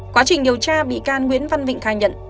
quá trình điều tra bị can nguyễn văn vịnh khai nhận